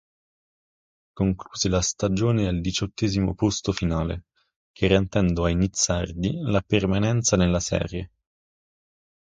Concluse la stagione al diciottesimo posto finale, garantendo ai nizzardi la permanenza nella serie.